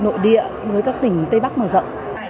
nội địa với các tỉnh tây bắc mở rộng